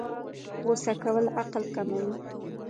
غوسه کول عقل کموي